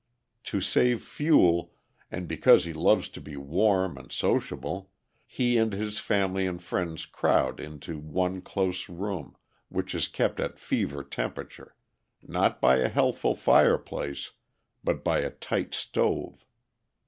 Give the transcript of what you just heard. To save fuel, and because he loves to be warm and sociable, he and his family and friends crowd into one close room, which is kept at fever temperature, not by a healthful fireplace, but by a tight stove.